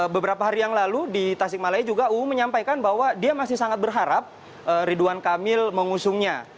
beberapa hari yang lalu di tasikmalaya juga uu menyampaikan bahwa dia masih sangat berharap ridwan kamil mengusungnya